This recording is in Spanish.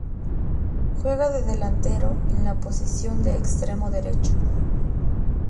Juega de delantero, en la posición de extremo derecho.